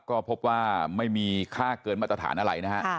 ก็พบว่าไม่มีค่าเกินมาตรฐานอะไรนะฮะ